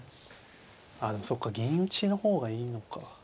ああでもそっか銀打ちの方がいいのか。